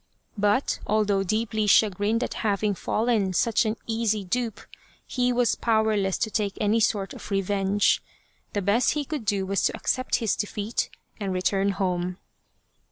But, although deeply chagrined at having fallen such an easy dupe, he was powerless to take any sort of revenge. The best he could do was to accept his defeat and return home.